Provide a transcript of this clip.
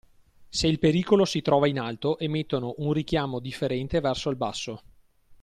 Se il pericolo si trova in alto emettono un richiamo differente verso il basso.